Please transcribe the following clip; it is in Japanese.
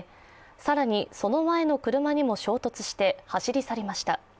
更にその前の車にも衝突して、走り去りました。